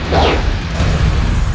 aku berhak untuk menjelaskan semuanya